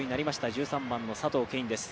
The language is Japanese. １３番の佐藤恵允です。